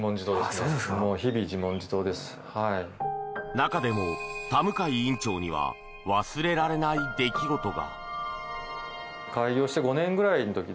中でも、田向院長には忘れられない出来事が。